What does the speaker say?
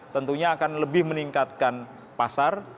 tentunya akan lebih meningkatkan pasar